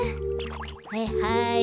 はいはい。